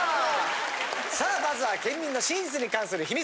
さあまずは県民の真実に関する秘密！